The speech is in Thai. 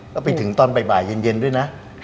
แล้วไปถึงตอนบ่ายเย็นด้วยนะ